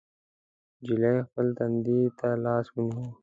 نجلۍ خپل تندي ته لاس ونيو.